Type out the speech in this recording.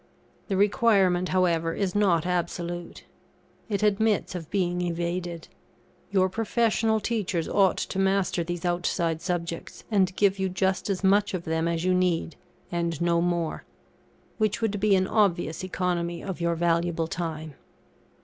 The requirement, however, is not absolute; it admits of being evaded. Your professional teachers ought to master these outside subjects, and give you just as much of them as you need, and no more; which would be an obvious economy of your valuable time.